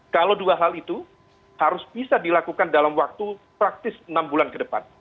kalau dua hal itu harus bisa dilakukan dalam waktu praktis enam bulan ke depan